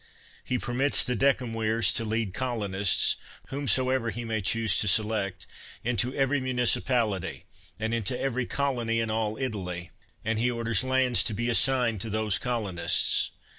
He permits the decem virs to lead colonists, whomsoever he may choose to select, into every municipality and into every colony in all Italy; and he orders lands to be assigned to those colonists.